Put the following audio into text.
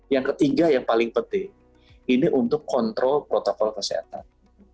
yang ketiga yang paling penting ini untuk kontrol protokol kesehatan